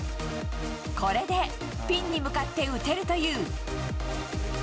これでピンに向かって打てるという。